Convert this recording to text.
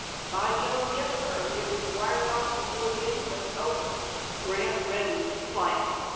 "By Jove, yes, sir. It was wired off before the inquest opened." Grant reddened slightly.